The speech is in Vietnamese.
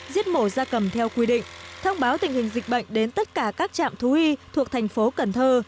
giết mổ ra cầm theo quy định thông báo tình hình dịch bệnh đến tất cả các trạm thú y thuộc thành phố cần thơ